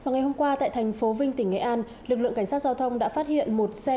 ngày hôm qua tại thành phố vinh tỉnh nghệ an lực lượng cảnh sát giao thông đã phát hiện một xe